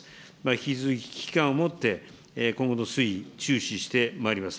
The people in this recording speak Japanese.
引き続き危機感を持って、今後の推移、注視してまいります。